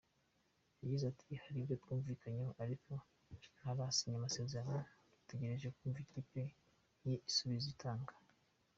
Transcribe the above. Yagize ati” Hari ibyo twumvikanye ariko ntarasinya amasezerano dutegereje kumva ikipe ye igisubizo itanga.